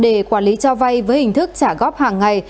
để quản lý cho vay với hình thức trả góp hàng ngày